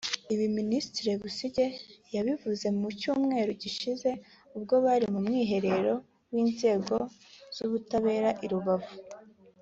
Ibi Minisitiri Busingye yabivuze mu Cyumweru gishize ubwo bari mu mwiherero w’inzego z’ubutabera i Rubavu